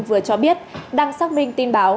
vừa cho biết đang xác minh tin báo